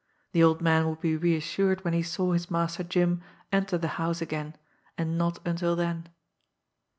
The old man would be reassured when he saw his Master Jim enter the house again and not until then!